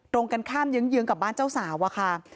ตรงกันข้ามเยื้องกับบ้านเจ้าสาวอะค่ะ